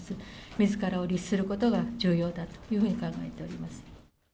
みずからを律することが重要だというふうに考えております。